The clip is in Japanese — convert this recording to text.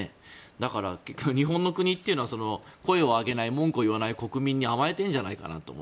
だから日本の国というのは声を上げない文句を言わない国民に甘えてるんじゃないかって。